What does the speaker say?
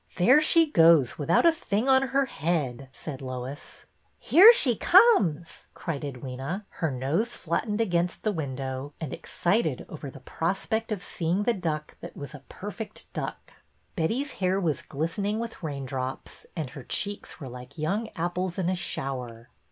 " There she goes, without a thing on her head," said Lois. " Here she comes," cried Edwyna, her nose flattened against the window, and excited over the prospect of seeing the duck that was a " per fect duck." EDWYNA FROM THE WEST 187 Betty's hair was glistening with raindrops, and her cheeks were like young apples in a shower.